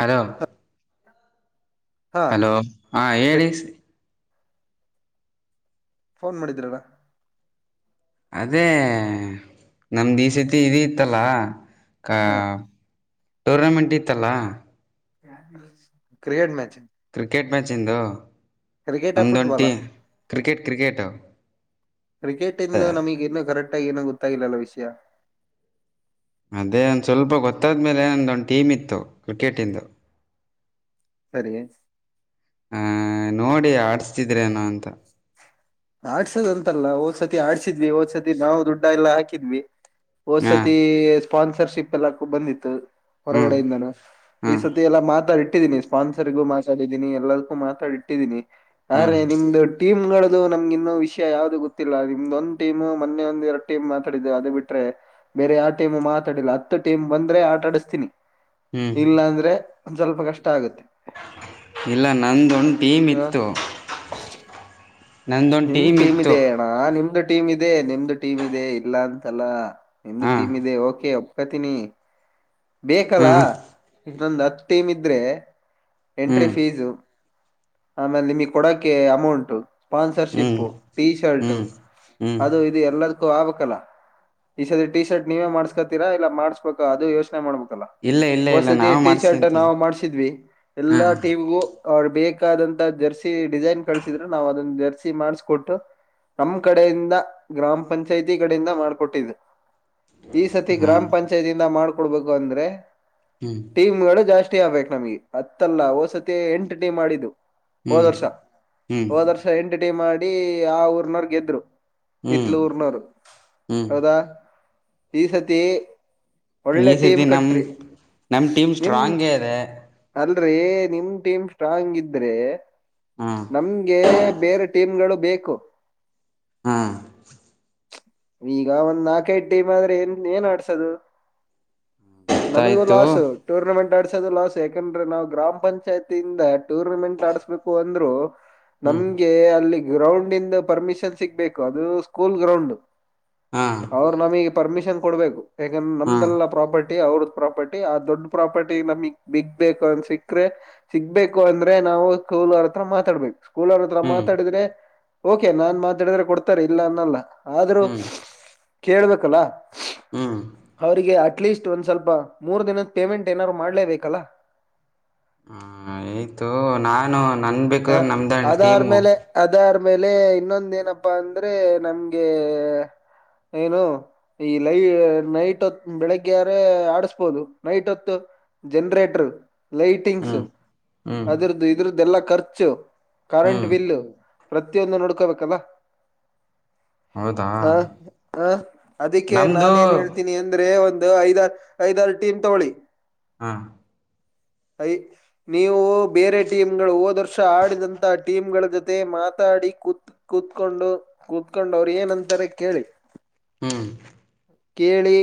Hello ಹಾ hello ಹಾ ಹೇಳಿ ಫೋನ್ ಮಾಡಿದಿರ ಅಲ್ಲ ಅದೇ ನಮ್ದ ಈ ಸತಿ ಇದ ಇತ್ತಲ್ಲಾ ಕ ಹಾ ಟೂರ್ನಮೆಂಟ್ ಇತ್ತಲ್ಲಾ ಕ್ರಿಕೆಟ್ ಮ್ಯಾಚ್ ಕ್ರಿಕೆಟ್ ಮ್ಯಾಚಂದು ಕ್ರಿಕೆಟ್ ನಮ್ದೊಂದು ಟೀ ಫುಟ್ಬಾಲಾ ಕ್ರಿಕೆಟ್ ಕ್ರಿಕೆಟು ಕ್ರಿಕೆಟ್ ಇಂದು ನಮಗ ಇನ್ನೂ ಕರೆಕ್ಟ್ ಆಗ ಏನೋ ಗೊತ್ತಲ್ಲಲ್ಲ ವಿಷಯ ಅದೇ ಒಂದ ಸ್ವಲ್ಪ ಗೊತ್ತಾದ್ಮೇಲೆ ಒಂದು ಟೀಮ್ ಇತ್ತು ಕ್ರಿಕೆಟ ಇಂದು ಸರಿ ಹಹ ನೋಡಿ ಆಡ್ಸ್ತಿದ್ರೇನ ಅಂತ ಆಡ್ಸೋದ್ ಅಂತಲ್ಲ ಹೂದ್ಸತಿ ಆಡ್ಸಿದ್ವಿ ಹೂದ್ಸತಿ ನಾವು ದುಡ್ಡ ಎಲ್ಲ ಹಾಕಿದ್ವಿ ಹಾ ಹೊದಸತಿ ಸ್ಪಾನ್ಸರ್ಶಿಪ್ ಎಲ್ಲ ಬಂದಿತ್ತು ಹ್ಮ್ ಹೊರಗಡೆಯಿಂದನ ಈ ಹ್ಮ್ ಸತಿ ಎಲ್ಲಾ ಮಾತಾಡಿ ಇಟ್ಟಿದ್ದೀನಿ ಸ್ಪಾನ್ಸರ್ಗೂ ಮಾತಾಡಿದ್ದೀನಿ ಎಲ್ಲಕ್ಕೂ ಮಾತಾಡಿಟ್ಟಿದ್ದೀನಿ ಹ್ಮ್ ಆದರೆ ನಿಮ್ದು ಟೀಮ್ ಗಳು ಇದು ನಮ್ಗೆ ಇನ್ನೂ ವಿಷಯ ಯಾವ್ದದು ಗೊತ್ತಿಲ್ಲ ನಿಮ್ದ ಒಂದ್ ಟೀಮ್ ಮೊನ್ನೆ ಒಂದ್ ಎರಡ್ ಟೀಮ್ ಮಾತಾಡಿದ ಅದು ಬಿಟ್ರೆ ಬೇರೆ ಯಾವ ಟೀಮ್ ಮಾತಾಡಿಲ್ಲ ಹತ್ತು ಟೀಮ್ ಬಂದ್ರೆ ಆಟ ಆಡಿಸ್ತೀನಿ. ಹ್ಮ್ ಇಲ್ಲಾ ಅಂದ್ರೆ ಒಂದ ಸ್ವಲ್ಪ ಕಷ್ಟ ಆಗುತ್ತೆ. ಇಲ್ಲ ನಂದೊಂದು ಟೀಮ್ ಹ ಇತ್ತು. ನಂದೊಂದು ನಿಮ್ದ್ ಟೀಮ್ ಇತ್ತು ಇದೆ ಅಣ್ಣ ನಿಮ್ದು ಟೀಮ್ ಇದೆ ನಿಮ್ದು ಟೀಮ್ ಇದೆ ಇಲ್ಲ ಅಂತಲ್ಲ. ನಿಮ್ದು ಹಾ ಟೀಮ್ ಇದೆ ಓಕೆ ಒಪ್ಕೋತೀನಿ. ಬೇಕಲ್ಲಾ ಹ್ಮ್ ಇ ನೊಂದು ಹತ್ತು ಟೀಮ್ ಇದ್ರೆ ಎಂಟ್ರಿ ಹ್ಮ್ ಫೀಸು ಆಮೇಲೆ ನಿಮಗ್ ಕೊಡೋಕೆ ಅಮೌಂಟು ಹ್ಮ್ ಸ್ಪಾನ್ಸರ್ಶಿಪ್ಪು ಟೀ ಶರ್ಟ್ ಹ್ಮ್ ಹ್ಮ್ ಅದು ಇದು ಎಲ್ಲದಕ್ಕೂ ಆಗಬೇಕು ಅಲ್ಲ ಈ ಸದ ಟೀ ಶರ್ಟ್ ನೀವೇ ಮಾಡ್ಸ್ಕತೀರಾ ಇಲ್ಲ ಮಾಡ್ಸ ಬೇಕ್ ಅದು ಯೋಚನೆ ಮಾಡ್ಬೇಕಲ್ಲಾ ಇಲ್ಲ ಇಲ್ಲ ಇಲ್ಲ ಹೊಸತಿ ನಾವೇ ಟಿ ಶರ್ಟ್ ಮಾಡ್ಸ್ಕೊಂತೀವಿ ನಾವು ಮಾಡ್ಸಿದ್ವಿ ಹಾ ಎಲ್ಲಾ ಟೀಮ್ಗು ಅವ್ಳ ಬೇಕಾದಂತ ಜರ್ಸಿ ಡಿಸೈನ್ ಕಳಸಿದ್ರು ನಾವ್ ಅದೊಂದು ಜರ್ಸಿ ಮಾಡಸ್ಕೊಟ್ಟು ನಮ ಕಡೆಯಿಂದ ಗ್ರಾಮ ಪಂಚಾಯ್ತಿ ಕಡೆಯಿಂದ ಮಾಡ್ಕೊಟ್ಟಿದ್ದ್ ಈ ಸತಿ ಹಾ ಗ್ರಾಮ ಪಂಚಾಯತಿಂದ ಮಾಡ್ಕೊಡ್ಬೇಕು ಅಂದ್ರೆ ಹ್ಮ್ ಟೀಮ್ ಗಳು ಜಾಸ್ತಿ ಆಗ್ಬೇಕಕ್ ನಮಗೆ ಹತ್ತಲ್ಲ ಓಸತಿ ಎಂಟ ಟಮ್ ಆಡಿದ್ದು. ಹೋದ್ ಹ್ಮ್ ವರ್ಷ ಹ್ಮ್ ಹೋದ ವರ್ಷ ಎಂಟರ್ಟೈನ್ ಮಾಡಿ ಆ ಊರ್ನವರ್ ಗೆದ್ರು. ಹ್ಮ್ ಇತ್ಲೂ ಊರಿನವರು ಹ್ಮ್ ಹೌದಾ ಈ ಸತಿ. ಈ ಒಳ್ಳೆ ಟೀಮ್ ಸತಿ ನಮ್ ಕಟ್ರಿ ನಮ್ ಟೀಮ್ ನಿಮ ಸ್ಟ್ರಾಂಗೇ ಇದೆ ಅಲ್ರಿ ನಿಮ್ ಟೀಮ್ ಸ್ಟ್ರಾಂಗ್ ಇದ್ರೆ ಹಾ ನಮ್ಗೆ ಬೇರೆ ಟೀಮ್ಗಳು ಬೇಕು. ಹಾ ಈಗ ಒಂದ್ ನಾಲ್ಕೈದು ಟೀಮ್ ಆದ್ರೆ ಏನ್ ಏನ್ ಆಡ್ಸೋದು. ನಮಗೂ ಗೊತ್ತಾಯ್ತು ಲಾಸ್. ಟೂರ್ನಮೆಂಟ್ ಆಡ್ಸೋದು ಲಾಸ್ ಯಾಕಂದ್ರೆ ನಾವು ಗ್ರಾಮ ಪಂಚಾಯತಿಯಿಂದ ಟೂರ್ನಮೆಂಟ್ ಆಡ್ಸ್ಬೇಕು ಅಂದ್ರು ಹ್ಮ್ ನಮ್ಗೆ ಅಲ್ಲಿ ಗ್ರೌಂಡ ಇಂದ ಪರ್ಮಿಷನ್ ಸಿಗ್ಬೇಕು ಅದು ಸ್ಕೂಲ್ ಗ್ರೌಂಡ್. ಹಾ ಅವರು ನಮಗೆ ಪರ್ಮಿಷನ್ ಕೊಡ್ಬೇಕು ಯಾಕಂದ್ರೆ ಹಾ ನಮ್ದೆಲ್ಲ ಪ್ರಾಪರ್ಟಿ ಅವ್ರದ ಪ್ರಾಪರ್ಟಿ ಆ ದೊಡ್ ಪ್ರಾಪರ್ಟಿ ನಮಗ್ ಬಿಗ್ಬೇಕು ಅನ್ ಸಿಕ್ಕ್ರೆ ಸಿಗ್ಬೇಕು ಅಂದ್ರೆ ನಾವು ಸ್ಕೂಲ್ ಅವರ ಹತ್ತಿರ ಮಾತಾಡ್ಬೇಕು ಸ್ಕೂಲ್ ಅವ್ರ ಹತ್ರ ಹ್ಮ್ ಮಾತಾಡಿದ್ರೆ ಓಕೆ ನಾನ್ ಮಾತಾಡಿದ್ರೆ ಕೊಡ್ತಾರೆ ಇಲ್ಲ ಅನ್ನಲ್ಲ. ಆದ್ರೂ ಹ್ಮ್ ಕೇಳ್ಬೇಕಲ್ಲ. ಹ್ಮ್ ಅವರಿಗೆ ಅಟ್ಲೀಸ್ಟ್ ಒಂದ್ ಸ್ವಲ್ಪ ಮೂರು ದಿನದ್ ಪೇಮೆಂಟ್ ಏನಾರು ಮಾಡ್ಲೇಬೇಕಲ್ಲಾ. ಹ್ಮ್ ಆಯ್ತು ನಾನು ನನ್ [unintelligible] ನಮ್ದೆ ಅಲ್ ಟೀಮು. ಅದಾರ್ಮೇಲೆ ಇನ್ನೊಂದ ಏನಪ್ಪಾ ಅಂದ್ರೆ ನಮ್ಗೆ ಏನು ಈ ಲೈ ನೈಟ್ ಹೊತ್ ಬೆಳಿಗ್ಗೆಯಾರೇ ಆಡಸ್ಬೋದು ನೈಟ್ ಹೊತ್ತು. ಜನರೇಟರ್ ಲೈಟಿಂಗ್ಸ್ ಹ್ಮ್ ಹ್ಮ್ ಅದರ್ದು ಇದ್ರದು ಎಲ್ಲಾ ಖರ್ಚು ಚ್ಚು ಕರೆಂಟ್ ಹ್ಮ್ ಬಿಲ್ಲು ಪ್ರತಿಯೊಂದು ನೋಡ್ಕೋಬೇಕಲ್ಲ. ಹೌದಾ ಹಾ ಹ ಅದಕ್ಕೆ ನಮ್ದು ನಾನ ಏನ್ ಹೇಳ್ತೀನಿ ಅಂದ್ರೆ ಒಂದು ಐದ ಐದಾರ ಟೀಮ್ ತೋಗಳಿ. ಹಾ ಐ ನೀವು ಬೇರೆ ಟೀಮ್ಗಳು ಹೋದೊರ್ಷ ಆಡಿದಂತಹ ಟೀಮ್ಗಳ ಜೊತೆ ಮಾತಾಡಿ ಕೂತು ಕೂತ್ಕೊಂಡು ಕೂತ್ಕೊಂಡು ಅವ್ರು ಏನಂತಾರೆ ಕೇಳಿ. ಹ್ಮ್ ಕೇಳಿ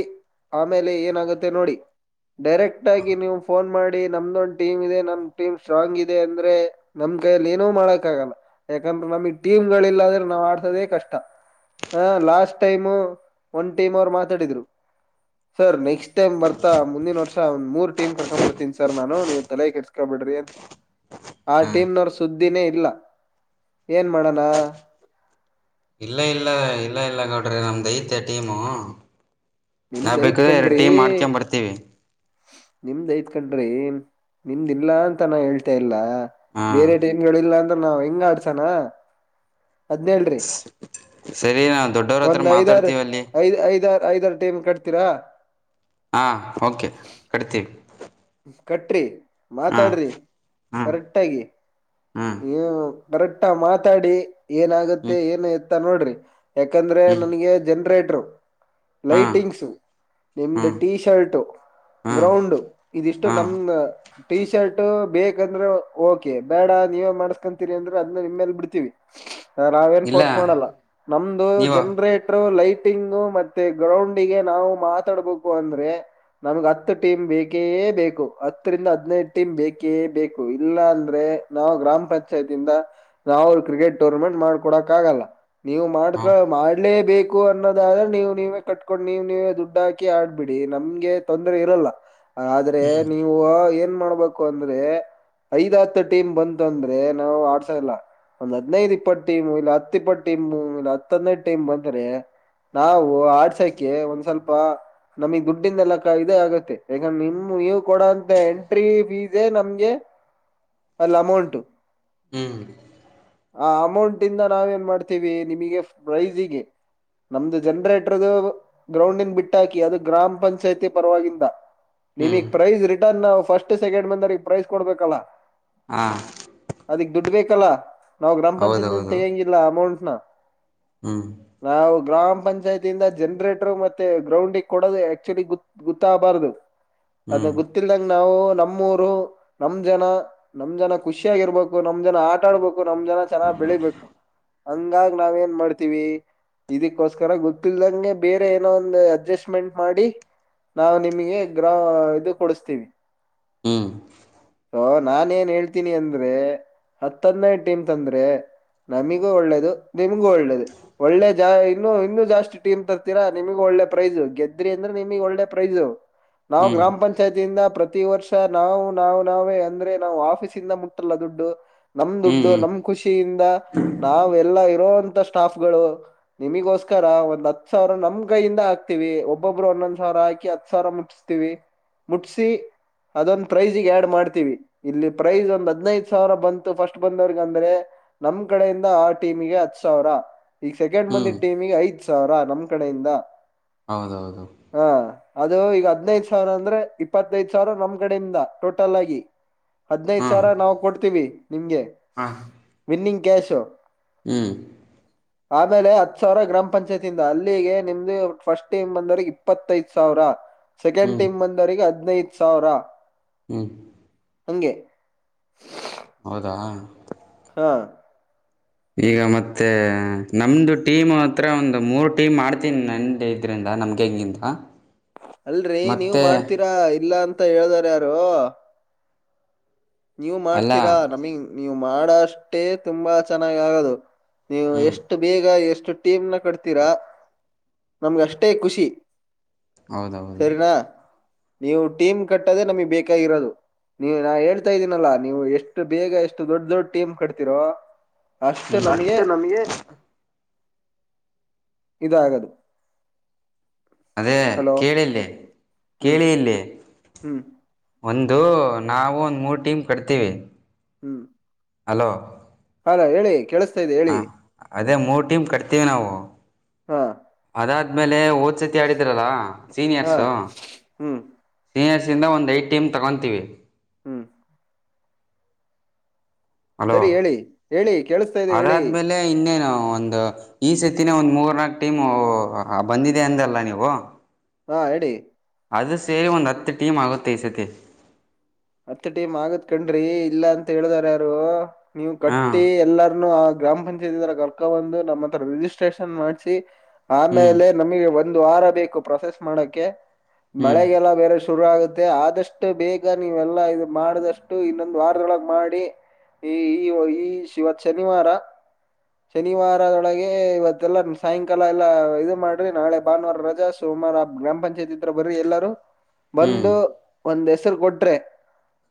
ಆಮೇಲೆ ಏನಾಗುತ್ತೆ ನೋಡಿ ಡೈರೆಕ್ಟ್ ಆಗಿ ನೀವು ಫೋನ್ ಮಾಡಿ ನಮ್ದೊಂದ್ ಟೀಮ್ ಇದೆ ನಮ್ ಟೀಮ್ ಸ್ಟ್ರಾಂಗ್ ಇದೆ ಅಂದ್ರೆ. ನಮ್ ಕೈಯಲ್ಲಿ ಏನೂ ಮಾಡಕ್ ಆಗಲ್ಲ ಯಾಕಂದ್ರೆ ನಮ್ಗ್ ಟೀಮ್ಗಳಿಲ್ಲಾಂದ್ರೆ ನಾವ್ ಆಡ್ಸೋದೇ ಕಷ್ಟ. ಹ ಲಾಸ್ಟ್ ಟೈಮು ಒಂದ್ ಟೀಮ್ ಅವ್ರು ಮಾತಾಡಿದ್ರು. ಸರ್ ನೆಕ್ಸ್ ಟೈಮ್ ಬರ್ತಾ ಮುಂದಿನ ವರ್ಷ ಒಂದ್ ಮೂರು ಟೀಮ್ ಕಕೊಂಡ್ ಬರ್ತೀನ್ ಸರ್ ನಾನು ನೀವು ತಲೆ ಕೆಡ ಕಬಿಡ್ರಿ ಅಂತ. ಆ ಟೀಮ್ನವ್ರ ಸುದ್ದಿನೇ ಇಲ್ಲ ಏನ್ ಮಾಡಣ. ಇಲ್ಲ ಇಲ್ಲ ಇಲ್ಲ ಇಲ್ಲ ಗೌಡ್ರೆ ನಮ್ ದೈತೆ ಟೀಮು. ನಿಮ್ದ್ ನಾವ್ ಐತ್ ಬೇಕಂದ್ರೆ ಎರಡು ಕಣ್ರಿ ಟೀಮ್ ಮಾಡ್ಕ್ಯಂ ಬರ್ತೀವಿ. ನಿಮ್ದ್ ಐತ್ ಕಂಡ್ರಿ ನಿಮ್ದ ಇಲ್ಲಾ ಅಂತ ನಾ ಹೇಳ್ತಾ ಇಲ್ಲಾ. ಹಾ ಬೇರೆ ಟೀಮ್ ಗಳಿಲ್ಲಾಂದ್ರೆ ನಾವ್ ಹೆಂಗ್ ಆಡ್ಸನಾ ಅದ್ನ್ಹೇಳ್ರಿ. ಸರಿ ನಾ ದೊಡ್ ಒಂದ್ ಐದಾರ ಐದ್ ಐದಾರ ಐದಾರು ಟೈಮ್ ಕಟ್ತೀರಾ. ಹಾಂ ಓಕೆ ಕಟ್ತೀವಿ. ಕಟ್ರಿ ಹಾ ಮಾತಾಡ್ರಿ ಹಾ ಕರೆಕ್ಟಾಗಿ. ಹಾ [unintelligible] ಕರೆಕ್ಟಾಗ್ ಮಾತಾಡಿ ಏನಾಗುತ್ತೆ ಹ್ಮ್ ಏನು ಎತ್ತ ನೋಡ್ರಿ. ಯಾಕಂದ್ರೆ ಹ್ಮ್ ನನಗೆ ಜನ್ರೇಟರ್ ಹಾ ಲೈಟಿಂಗ್ಸು. ನಿಮ್ದು ಹ್ಮ್ ಟೀ ಶರ್ಟು ಹಾ ಗ್ರೌಂಡು ಇದಿಷ್ಟು ಹಾ ನಮ್ದ. ಟಿ ಶರ್ಟ್ ಬೇಕಂದ್ರೆ ಓಕೆ ಬೇಡ ನೀವೇ ಮಾಡ್ಸ್ಕೊಂತೀರಿ ಅಂದ್ರೆ ಅದನ್ನು ನಿಮ್ಮೇಲ್ ಬಿಡ್ತೀವಿ. ನಾವೇನ್ ಇಲ್ಲ ಫೋರ್ಸ್ ಮಾಡಲ್ಲ ನಮ್ದು ನೀವ ಜನ್ರೇಟ್ ರು ಲೈಟಿಂಗು ಮತ್ತೆ ಗ್ರೌಂಡ ಗೆ ನಾವು ಮಾತಾಡ್ಬೇಕು ಅಂದ್ರೆ. ನಮ್ಗೆ ಹತ್ತು ಟೀಮ್ ಬೇಕೇ ಬೇಕು ಹತ್ತರಿಂದ ಹದಿನೈದು ಟೀಮ್ ಬೇಕೇ ಬೇಕು ಇಲ್ಲ ಅಂದ್ರೆ. ನಾವು ಗ್ರಾಮ ಪಂಚಾಯಿತಿಂದ ನಾವು ಕ್ರಿಕೆಟ್ ಟೂರ್ನಮೆಂಟ್ ಮಾಡ್ಕೊಡಕ್ ಆಗಲ್ಲ. ನೀವು ಹ ಮಾಡ್ಕ ಮಾಡಲೇಬೇ ಕು ಅನ್ನೋದಾದ್ರೆ ನೀವು ನೀವೇ ಕಟ್ಕೊಂಡ್ ನೀವ್ ನೀವೇ ದುಡ್ಡು ಹಾಕಿ ಆಡ್ಬಿಡಿ ನಮ್ಗೆ ತೊಂದರೆ ಇರಲ್ಲ. ಆದ್ರೆ ಹ್ಮ್ ನೀವು ಏನ್ ಮಾಡ್ಬೇಕು ಅಂದ್ರೆ ಐದ ಹತ್ತು ಟೀಮ್ ಬಂತು ಅಂದ್ರೆ ನಾವು ಆಡ್ಸೋ ಇಲ್ಲ. ಒಂದ್ ಹದ್ನೈದು ಇಪ್ಪತ್ತು ಟೀಮ್ ಇಲ್ಲ ಹತ್ ಇಪ್ಪತ್ತು ಟೀಮ್ ಇಲ್ಲ ಹತ್ತ ಹದಿನೈದ ಟೀಮ್ ಬಂದರೆ. ನಾವು ಆಡ್ಸಕೆ ಒಂದ್ ಸ್ವಲ್ಪ. ನಮಗ್ ದುಡ್ಡಿಂದೆಲ್ಲ ಅಕಾ ಇದಗತ್ತೆ ಯಾಕ ನಿಮ ನೀವು ಕೊಡಂತ ಎಂಟ್ರಿ ಫೀಸೇ ನಮ್ಗೆ ಅಲ್ಲ ಅಮೌಂಟು. ಹ್ಮ. ಆ ಅಮೌಂಟ್ ಇಂದ ನಾವೇನ ಮಾಡ್ತೀವಿ ನಿಮಗೆ ಪ್ರೈಸಿಗೆ ನಮ್ದು ಜನ್ರೇಟರ್ದು ಗ್ರೌಂಡಿಂದ ಬಿಟ್ಟಾಕಿ ಅದು ಗ್ರಾಮ ಪಂಚಾಯತಿ ಪರವಾಗಿಂದ ಹ್ಮ್ ನಿಮಗ ಪ್ರೈಸ್ ರಿಟರ್ನ್ ನಾವ ಫಸ್ಟ್ ಸೆಕೆಂಡ್ ಬಂದವರಿಗ ಪ್ರೈಸ್ ಕೊಡ್ಬೇಕಲ್ಲಾ. ಹಾ ಅದಕ್ ದುಡ್ಡ ಬೇಕಲ್ಲಾ ನಾವ ಗ್ರಾಮ ಪಂಚಾಯತಿ ಇಂದ ಹೌದೌದು ತೆಗಂಗಿಲ್ಲ ಅಮೌಂಟ್ನ. ಹ್ಮ್. ನಾವ ಗ್ರಾಮ ಪಂಚಾಯತಿಯಿಂದ ಜನ್ರೇಟರ್ ಮತ್ತೆ ಗ್ರೌಂಡಿಗೆ ಕೊಡೋದು ಆಕ್ಚುಲಿ ಗು ಗುತ್ತಾಗಬಾರ್ದು ಅದನ್ನ ಹ್ಮ್ ಗೊತ್ತಿಲ್ದಂಗ ನಾವು ನಮ್ಮೂರು ನಮ್ ಜನ ನಮ್ ಜನ ಖುಷಿಯಾಗಿರ್ಬೇಕು ನಮ್ ಜನ ಆಟ ಆಡ್ಬೇಕು ನಮ್ ಜನ ಚೆನ್ನಾಗ ಬೆಳಿಬೇಕ. ಹಂಗಾಗ ನಾವ ಏನ್ ಮಾಡ್ತಿವಿ. ಇದಕ್ಕೋಸ್ಕರ ಗೊತ್ತಲ್ದಂಗೆ ಬೇರೆ ಏನೋ ಒಂದ ಅಡ್ಜಸ್ಟ್ಮೆಂಟ್ ಮಾಡಿ ನಾವು ನಿಮಗೆ ಗ್ರ ಇದು ಕೊಡಸ್ತೀವಿ. ಹ್ಮ. ಅ ನಾನೇನ್ ಏನ್ ಹೇಳ್ತೀನಿ ಅಂದ್ರೆ ಹತ್ ಹದ್ನೈದ ಟೀಮ್ ತಂದ್ರೆ ನಮಿಗೂ ಒಳ್ಳೇದು ನಿಮಗೂ ಒಳ್ಳೇದು. ಒಳ್ಳೆ ಜಾ ಇನ್ನು ಇನ್ನು ಜಾಸ್ತಿ ಟೀಮ್ ತರ್ತೀರಾ ನಿಮಗ ಒಳ್ಳೆ ಪ್ರೈಜ ಗೆದ್ರಿ ಅಂದ್ರೆ ನಿಮಗ್ ಒಳ್ಳೆ ಪ್ರೈಜ. ನಾವ ಹ್ಮ್ ಗ್ರಾಮ ಪಂಚಾ ಪಂಚಾಯತಿಯಿಂದ ಪ್ರತಿ ವರ್ಷ ನಾವು ನಾವು ನಾವೇ ಅಂದ್ರೆ ನಾವು ಆಫೀಸ ಇಂದ ಮುಟ್ಟಲ್ಲ ದುಡ್ಡು. ನಮ್ ದುಡ್ಡು ಹ್ಮ್ ಹ್ಮ್ ನಮ್ಮ ಖುಷಿಯಿಂದ ನಾವ ಎಲ್ಲಾ ಇರೋಂತ ಸ್ಟಾಫ್ಗಳು. ನಿಮಿಗೋಸ್ಕರ ಒಂದ ಹತ್ ಸಾವಿರ ನಮ್ಮ ಕೈಯಿಂದ ಹಾಕ್ತಿವಿ ಒಬ್ಬೊಬ್ಬರು ಒಂದೊಂದ ಸಾವಿರ ಹಾಕಿ ಹತ್ ಸಾವರ ಮು ತಿವಿ ಮುಟ್ಸಿ ಅದೊಂದ ಪ್ರೈಜಿಗ ಆಡ್ ಮಾಡ್ತೀವಿ ಇಲ್ಲಿ ಪ್ರೈಸ್ ಒಂದ್ ಹದನೈದ ಸಾವಿರ ಬಂತು ಫಸ್ಟ್ ಬಂದವರ್ಗ ಅಂದ್ರೆ ನಮ್ ಕಡೆಯಿಂದ ಆ ಟೀಮಗೆ ಹತ್ ಸಾವಿರ. ಈಗ ಸೆಕೆಂಡ್ ಹ್ಮ್ ಬಂದಿದ್ದ ಟೀಮಿಗೆ ಐದ್ ಸಾವಿರ ನಮ್ ಕಡೆಯಿಂದ ಹೌದೌದು. ಹಾ ಅದು ಈಗ ಹದ್ನೈದ ಸಾವರ ಅಂದ್ರೆ ಇಪ್ಪತ್ತೈದ ಸಾವಿರ ನಮ್ ಕಡೆಯಿಂದ ಟೋಟಲ್ ಆಗಿ. ಹದ್ನೈದ ಹ್ಮ್ ಸಾವಿರ ನಾವು ಕೊಡ್ತೀವಿ ನಿಮ್ಗೆ ಹಾ ವಿನ್ನಿಂಗ್ ಕ್ಯಾಶು. ಹ್ಮ. [inaudible] ಆಮೇಲೆ ಹತ್ ಸಾವಿರ ಗ್ರಾಮ ಪಂಚಾಯತಿಯಿಂದ ಅಲ್ಲಿಗೆ ನಿಮ್ದ ಫಸ್ಟ್ ಟೈಮ್ ಬಂದವರೆಗೆ ಇಪ್ಪತ್ತೈದ ಸಾವಿರ. ಸೆಕೆಂಡ್ ಹ್ಮ್ ಟೀಮ್ ಬಂದವರಗೆ ಹದ್ನೈದ ಸಾವಿರ ಹ್ಮ್ ಹಂಗೆ ಹೌದಾ. ಹಾ ಈಗ ಮತ್ತೆ ನಮ್ದ ಟೀಮ್ ಹತ್ರ ಒಂದ ಮೂರು ಟೀಮ್ ಮಾಡ್ತೀನಿ ನಂದೇ ಇರಿಂದ ನಮ್ಗೆ ಹೆಂಗಿಂತ ಅಲ್ರರಿ ನೀವ ಮಾಡ್ತೀರಾ ಇಲ್ಲ ಅಂತ ಹೇಳ್ದಾರ ಯಾರು. ನೀವ ಅಲ್ಲ ಮಾಡ್ತೀರಾ ನಮಗ ನೀವು ಮಾಡೋಷ್ಟೇ ತುಂಬ ಚೆನ್ನಾಗ ಆಗೋದು ನೀವ ಎಷ್ ಹ್ಮ್ ಎಷ್ಟ ಬೇಗ ಎಷ್ಟು ಟೀಮ್ ನ ಕಟ್ತೀರಾ ನಮ್ಗ ಅಷ್ಟೇ ಖುಷಿ. ಹೌದೌದು ಸರಿನಾ ನೀವು ಟೀಮ್ ಕಟ್ಟದೆೆ ನಮಗ್ ಬೇಕಾಗಿರೋದು ನೀವು ಹೇಳ್ ತಾ ಇದೀನಲ್ಲಾ ನೀವು ಎಷ್ಟು ಬೇಗ ಎಷ್ಟ ದೊಡ್ಡ ದೊಡ್ ಟೀಮ್ ಕಟ್ತಿರೋ ಅಷ್ಟು ನಮ್ಗೆ ಹ್ಮ್ ಇದುಆಗತೇ ಅದೇ ಕೇಳಿಇಲ್ಲಿ ಹ್ಮ್ ಕೇಳಿ ಇಲ್ಲಿ ಹ್ಮ್ ಒಂದು ನಾವು ಒಂದು ಮೂರು ಟೀಮ್ ಕಟ್ತೀವಿ ಹ್ಮ್ ಹಲೋ ಹಲೋ ಹೇಳಿ ಕೇಳಿಸ್ತಾ ಇದೆ ಹೇಳಿ ಹ ಅದೇ ಮೂರ್ ಟೀಮ್ ಕಟ್ತೀವಿ ನಾವು ಹಾ ಅದಾದ್ಮೇಲೆ ಹೋಸತಿ ಆಡಿದ್ರಲ್ಲ ಹಾ ಸೀನಿಯರ್ಸು ಹ್ಮ್ ಸೀನಿಯರ್ಸಿಂದ ಒಂದು ಐದು ಟೀಮ್ ತಗೊತೀವಿ ಹ್ಮ್ ಅಲೋ ಸರಿ ಹೇಳಿ ಹೇಳಿ ಕೇಳಸ್ತಾ ಇದೆ ಹೇಳಿ ಅ ಇನ್ನೇನುಾ ಒಂದು ಈ ಸತಿನೇ ಒಂದ್ ಮೂರ್ನಾಲ್ಕು ಟೀಮ್ ಬಂದಿದೆ ಅಂದಲ್ಲ ನೀವು ಹಾ ರೆಡಿ ಅದು ಸೇರಿ ಒಂದು ಹತ್ತು ಟೀಮ್ ಆಗುತ್ತೆ ಈ ಸತಿ ಹತ್ ಟೀಮ್ ಆಗತ್ ಕಣ್ರಿ ಇಲ್ಲ ಅಂತ ಹೇಳ್ದಾರು ಯಾರು ನೀವ್ ಹಾ ಕಟ್ಟಿ ಎಲ್ಲರನು ಆ ಗ್ರಾಮ ಪಂಚಾಯತ್ ಕರ್ಕಗೋಂಡು ಬಂದು ನಮ್ಮ ಹತ್ರ ರಿಜಿಸ್ಟ್ರೇಷನ್ ಮಾಡ್ಸಿ ಹ್ಮ್ ಆಮೇಲೆ ನಮಗೆ ಒಂದು ವಾರ ಬೇಕು ಪ್ರೊಸೆಸ್ ಮಾಡಕ್ಕೆ ಹ್ಮ್ ಮಳೆಗೆಲ್ಲ ಬೇರೆ ಶುರು ಆಗುತ್ತೆ ಆದಷ್ಟು ಬೇಗ ನೀವೆಲ್ಲಾ ಇದು ಮಾಡ್ದಷ್ಟು ಇನ್ನೊಂದು ವಾರದೊಳಗ್ ಮಾಡಿ ಈ ಈ ಈ ಇವತ್ ಶನಿವಾರ ಶನಿವಾರದೊಳಗೆ ಇವತ್ತಲ್ಲ ಸಾಯಂಕಾಲ ಎಲ್ಲಾ ಇದು ಮಾಡ್ರಿ ನಾಳೆ ಭಾನುವಾರ ರಜಾ ಸೋಮಾರ ಗ್ರಾಮ ಪಂಚಾಯತ್ತಿ ಹತ್ರ ಬರ್ರರಿ ಎಲ್ಲಾರೂ ಹ್ಮ್ ಬಂದು ಒಂದ್ ಹೆಸರು ಕೊಟ್ರೆ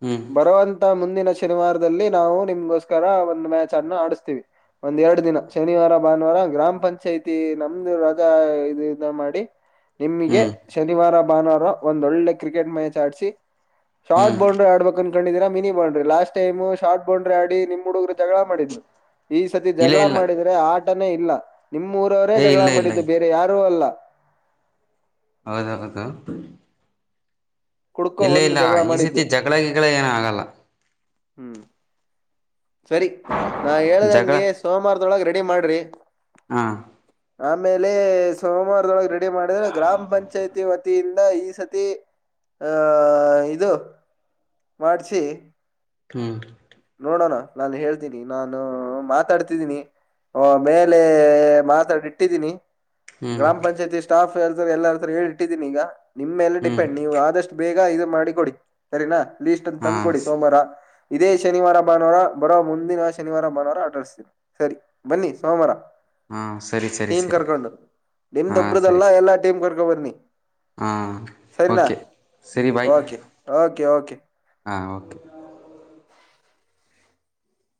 ಹ್ಮ್ ಬರುವಂತ ಮುಂದಿನ ಶನಿವಾರದಲ್ಲಿ ನಾವು ನಿಮ್ಗೋಸ್ಕರ ಒಂದ್ ಮ್ಯಾಚ್ ಅನ್ನ ಆಡಿಸಸ್ತೀವಿ ಒಂದ್ ಎರಡ್ ದಿನ ಶನಿವಾರ ಭಾನುವಾರ ಗ್ರಾಮ ಪಂಚಾಯ್ತಿ ನಮ್ದು ರಜಾ ಇದ ಇದ ಮಾಡಿ ನಿಮಗೆ ಹ್ಮ್ ಶನಿವಾರ ಭಾನುವಾರ ಒಂದೊಳ್ಳೆ ಕ್ರಿಕೆಟ್ ಮ್ಯಾಚ್ ಆಡ್ಸಿ ಶಾರ್ಟ ಹ್ಮ್ ಬೌಂಡ್ರ ಆಡ್ಬೇಕ ಅನ್ ಕಂಡಿದರಾ mini boundary last time short boundary ಆಡಿ ನಿಮ ಹುಡುಗರು ಜಗಳ ಮಾಡಿದ್ದ. ಹ. ಈ ಸತಿ ಇಲ್ಲ ಜಗಳ ಇಲ್ಲ ಮಾಡಿದ್ರೆ ಆಟನೇ ಇಲ್ಲ ನಿಮ್ಮ್ ಊರವರೇ ಏ ಜಗಳ ಇಲ್ಲ ಇಲ್ಲ ಮಾಡಿದ್ದು ಇಲ್ಲ ಬೇರೆ ಯಾರೂ ಅಲ್ಲ. ಹೌದಾಹೌದು ಕುಡ್ಕೊ ಇಲ್ಲ ಬಂದು ಇಲ್ಲ ಜಗಳ ಈ ಮಾಡಿದ್ದು ಸಾತಿ ಜಗಳಗಿಗಳಾ ಏನು ಆಗಲ್ಲ ಹ್ಮ್ ಸರಿ ನಾ ಜಗಳ ಹೇಳ್ದಂಗೆ ಸೋಮವಾರದೊಳಗೆ ರೆಡಿ ಮಾಡ್ರಿ ಹಾ ಆಮೇಲೆ ಸೋಮವಾರದೊಳಗ್ ರೆಡಿ ಮಾಡಿದ್ರೆ ಗ್ರಾಮ ಪಂಚಾಯ್ತಿ ವತಿಯಿಂದ ಈ ಸತಿ ಆ ಇದು ಮಾಡಿಸಿ ಹ್ಮ ನೋಡೋಣ ನಾನು ಹೇಳ್ತೀನಿ ನಾನು ಮಾತಾಡ್ತಿದ್ದೀನಿ ಹ ಮೇಲೆ ಮಾತಾಡಿ ಇಟ್ಟಿದ್ದೀನಿ. ಹ್ಮ್ ಗ್ರಾಮ ಪಂಚಾಯತಿ ಸ್ಟಾಫ್ ಎರ್ತಾರೆ ಎಲ್ಲ ಇರ್ತಾರೆ ಹೇಳಿಟ್ಟಿದೀನಿ ಈಗ. ನಿಮ್ ಮಲೆ ಹ್ಮ್ ಡಿಪೆಂಡ್ ನೀವು ಆದಷ್ಟು ಬೇಗ ಇದು ಮಾಡಿ ಕೊಡಿ ಸರಿನಾ ಲೀಸ್ಟ್ ಅಂತ ಹಾ ತಂದ್ ಕೊಡಿ ಸೋಮವಾರ. ಇದೇ ಶನಿವಾರ ಭಾನುವಾರ ಬರೋ ಮುಂದಿನ ಶನಿವಾರ ಭಾನುವಾರ ಆಟ ಆಡಿಸ್ತವಿ. ಸರಿ ಬನ್ನಿ ಸೋಮವಾರ. ಹಾಂ ಸರಿ [inaudible] ಸರಿ ಟೀಮ್ ಸರಿ ಕರ್ಕೊಂಡು ಹಾಂ ನಿಮ್ದೊಬ್ದಲ್ಲ ಸರಿ ಎಲ್ಲಾ ಟೀಮ್ ಕರ್ಕೊ ಬನ್ನಿ ಹಾಂ [inaudible] ಸರಿನಾ ಓಕೆ [inaudible] ಓಕೆ ಓಕೆ ಓಕೆ. ಹಾ ಓಕೆ